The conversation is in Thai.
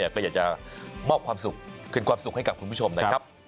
ก็อยากจะมอบความสุขคืนความสุขให้กับคุณผู้ชมนะครับ